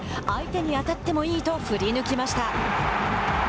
「相手に当たってもいい」と振り抜きました。